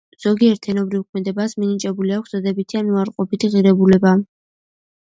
ზოგიერთ ენობრივ ქმედებას მინიჭებული აქვს დადებითი ან უარყოფითი ღირებულება.